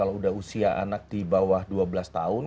kalau udah usia anak di bawah dua belas tahun